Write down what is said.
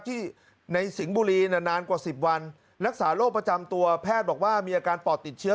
ที่ในสิงห์บุรีนานกว่า๑๐วันรักษาโรคประจำตัวแพทย์บอกว่ามีอาการปอดติดเชื้อ